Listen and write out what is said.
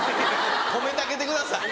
褒めてあげてください。